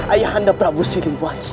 ayah anda prabu siliwa